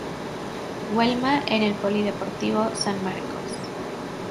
Huelma" en el Polideportivo San Marcos.